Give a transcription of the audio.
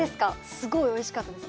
すごいおいしかったです。